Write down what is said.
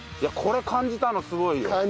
これ感じたのすごいよ。